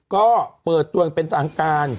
ก็เปิดตัวเป็นต่างการ